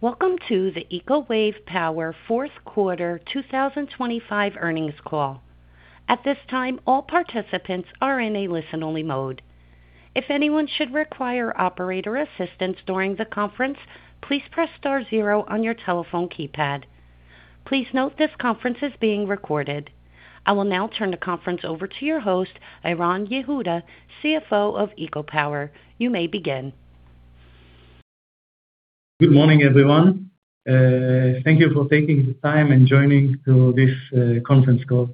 Welcome to the Eco Wave Power fourth quarter 2025 earnings call. At this time, all participants are in a listen-only mode. If anyone should require operator assistance during the conference, please press star zero on your telephone keypad. Please note this conference is being recorded. I will now turn the conference over to your host, Aharon Yehuda, CFO of Eco Wave Power. You may begin. Good morning, everyone. Thank you for taking the time and joining this conference call.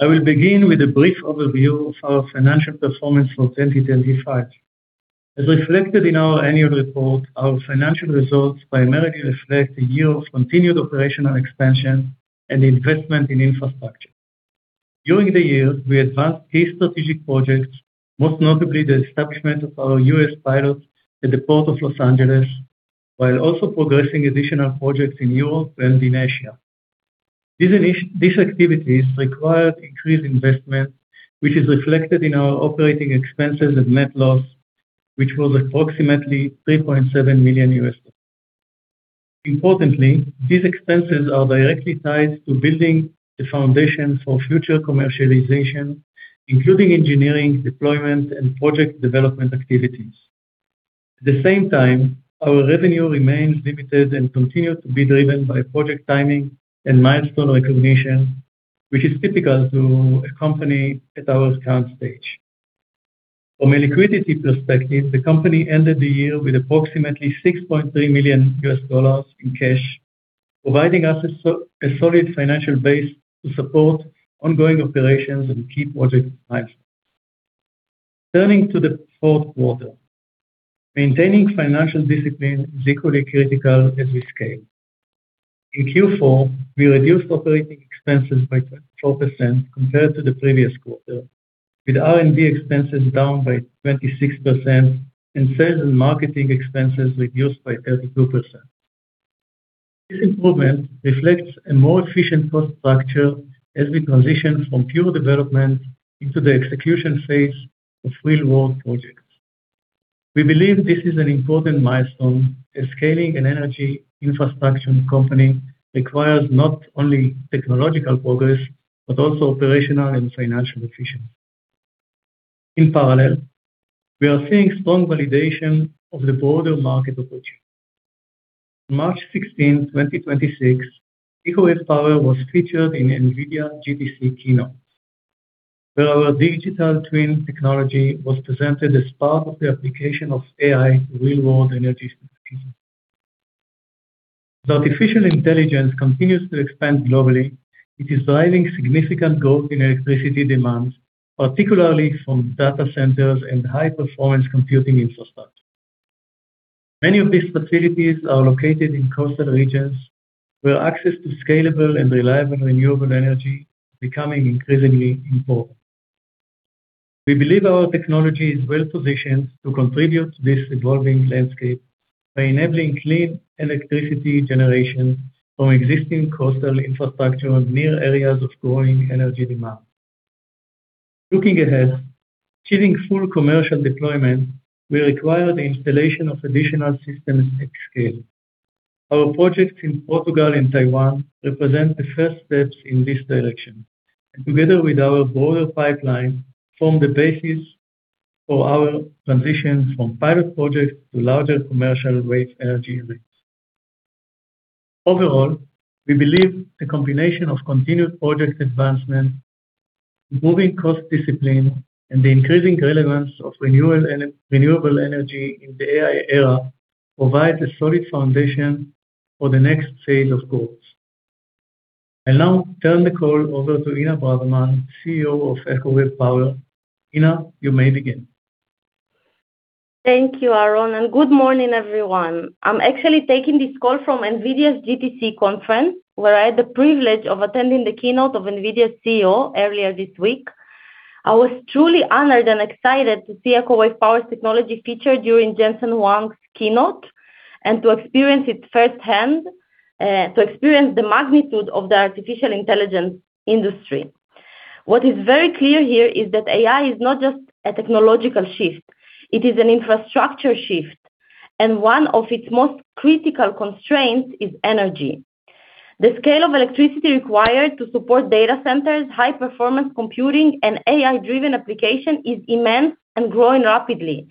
I will begin with a brief overview of our financial performance for 2025. As reflected in our annual report, our financial results primarily reflect a year of continued operational expansion and investment in infrastructure. During the year, we advanced key strategic projects, most notably the establishment of our U.S. pilot at the Port of Los Angeles, while also progressing additional projects in Europe and in Asia. These activities required increased investment, which is reflected in our operating expenses and net loss, which was approximately $3.7 million. Importantly, these expenses are directly tied to building the foundation for future commercialization, including engineering, deployment, and project development activities. At the same time, our revenue remains limited and continued to be driven by project timing and milestone recognition, which is typical to a company at our current stage. From a liquidity perspective, the company ended the year with approximately $6.3 million in cash, providing us a solid financial base to support ongoing operations and key project milestones. Turning to the fourth quarter, maintaining financial discipline is equally critical as we scale. In Q4, we reduced operating expenses by 4% compared to the previous quarter, with R&D expenses down by 26% and sales and marketing expenses reduced by 32%. This improvement reflects a more efficient cost structure as we transition from pure development into the execution phase of real-world projects. We believe this is an important milestone, as scaling an energy infrastructure company requires not only technological progress but also operational and financial efficiency. In parallel, we are seeing strong validation of the broader market approach. March 16th, 2026, Eco Wave Power was featured in NVIDIA GTC Keynote, where our digital twin technology was presented as part of the application of AI real-world energy solutions. As artificial intelligence continues to expand globally, it is driving significant growth in electricity demands, particularly from data centers and high-performance computing infrastructure. Many of these facilities are located in coastal regions, where access to scalable and reliable renewable energy is becoming increasingly important. We believe our technology is well-positioned to contribute to this evolving landscape by enabling clean electricity generation from existing coastal infrastructure near areas of growing energy demand. Looking ahead, achieving full commercial deployment will require the installation of additional systems at scale. Our projects in Portugal and Taiwan represent the first steps in this direction, and together with our broader pipeline, form the basis for our transition from pilot project to larger commercial wave energy arrays. Overall, we believe the combination of continued project advancement, improving cost discipline, and the increasing relevance of renewable energy in the AI era provides a solid foundation for the next phase of growth. I now turn the call over to Inna Braverman, CEO of Eco Wave Power Global AB. Inna, you may begin. Thank you, Aharon Yehuda, and good morning, everyone. I'm actually taking this call from NVIDIA's GTC conference, where I had the privilege of attending the keynote of NVIDIA's CEO earlier this week. I was truly honored and excited to see Eco Wave Power's technology featured during Jensen Huang's keynote and to experience it firsthand, to experience the magnitude of the artificial intelligence industry. What is very clear here is that AI is not just a technological shift. It is an infrastructure shift, and one of its most critical constraints is energy. The scale of electricity required to support data centers, high-performance computing, and AI-driven application is immense and growing rapidly,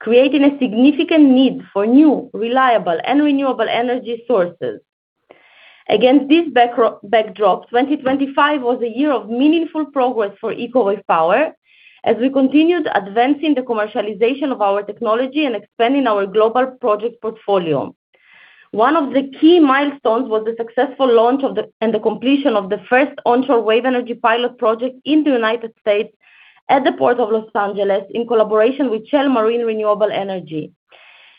creating a significant need for new, reliable, and renewable energy sources. Against this backdrop, 2025 was a year of meaningful progress for Eco Wave Power as we continued advancing the commercialization of our technology and expanding our global project portfolio. One of the key milestones was the successful launch and the completion of the first onshore wave energy pilot project in the United States at the Port of Los Angeles in collaboration with Shell Marine Renewable Energy.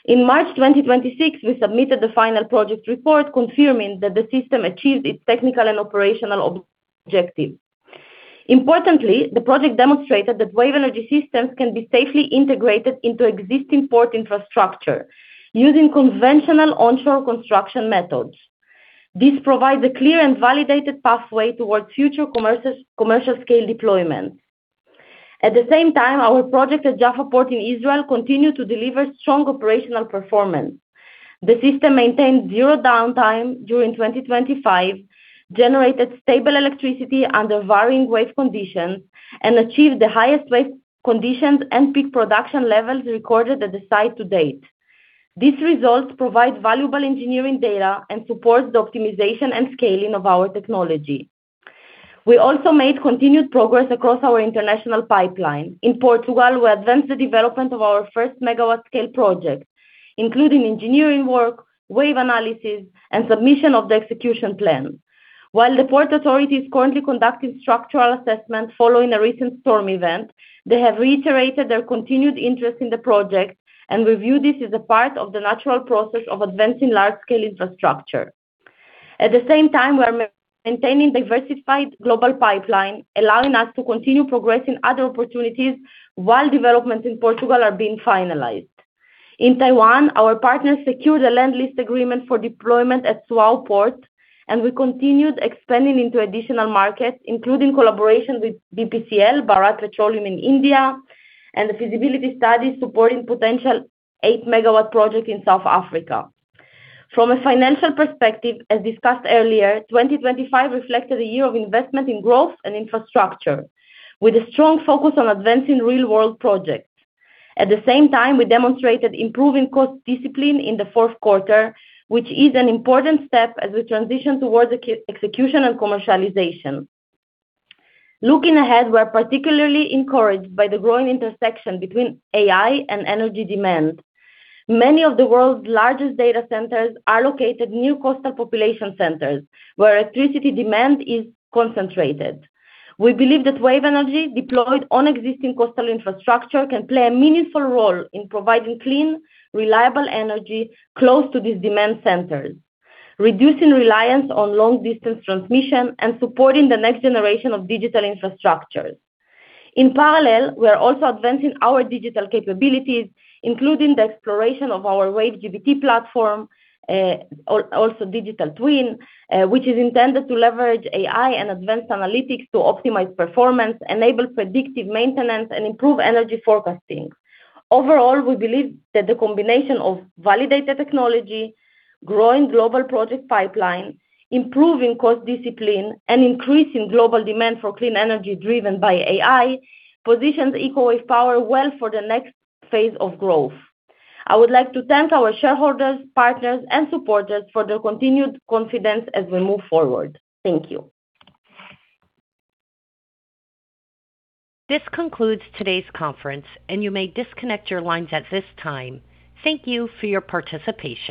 In March 2026, we submitted the final project report confirming that the system achieved its technical and operational objective. Importantly, the project demonstrated that Wave Energy systems can be safely integrated into existing port infrastructure using conventional onshore construction methods. This provides a clear and validated pathway towards future commercial scale deployment. At the same time, our project at Jaffa Port in Israel continued to deliver strong operational performance. The system maintained zero downtime during 2025, generated stable electricity under varying wave conditions, and achieved the highest wave conditions and peak production levels recorded at the site to date. These results provide valuable engineering data and supports the optimization and scaling of our technology. We also made continued progress across our international pipeline. In Portugal, we advanced the development of our first megawatt-scale project, including engineering work, wave analysis, and submission of the execution plan. While the Port Authority is currently conducting structural assessments following a recent storm event, they have reiterated their continued interest in the project, and we view this as a part of the natural process of advancing large-scale infrastructure. At the same time, we're maintaining diversified global pipeline, allowing us to continue progressing other opportunities while developments in Portugal are being finalized. In Taiwan, our partners secured a land lease agreement for deployment at Su'ao Port, and we continued expanding into additional markets, including collaboration with BPCL, Bharat Petroleum in India, and the feasibility studies supporting potential 8 MW project in South Africa. From a financial perspective, as discussed earlier, 2025 reflected a year of investment in growth and infrastructure, with a strong focus on advancing real-world projects. At the same time, we demonstrated improving cost discipline in the fourth quarter, which is an important step as we transition towards execution and commercialization. Looking ahead, we're particularly encouraged by the growing intersection between AI and energy demand. Many of the world's largest data centers are located near coastal population centers, where electricity demand is concentrated. We believe that Wave Energy deployed on existing coastal infrastructure can play a meaningful role in providing clean, reliable energy close to these demand centers, reducing reliance on long-distance transmission and supporting the next generation of digital infrastructures. In parallel, we are also advancing our digital capabilities, including the exploration of our WaveGPT platform, also digital twin, which is intended to leverage AI and advanced analytics to optimize performance, enable predictive maintenance, and improve energy forecasting. Overall, we believe that the combination of validated technology, growing global project pipeline, improving cost discipline, and increasing global demand for clean energy driven by AI positions Eco Wave Power well for the next phase of growth. I would like to thank our shareholders, partners, and supporters for their continued confidence as we move forward. Thank you. This concludes today's conference, and you may disconnect your lines at this time. Thank you for your participation.